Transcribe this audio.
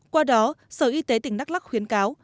qua đó sở y tế tỉnh đắk lắc khuyến cáo